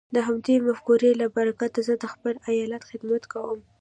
د همدې مفکورې له برکته زه د خپل ايالت خدمت کوم.